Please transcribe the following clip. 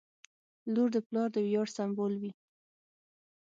• لور د پلار د ویاړ سمبول وي.